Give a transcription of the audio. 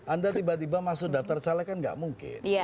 anda tiba tiba masuk daftar caleg kan nggak mungkin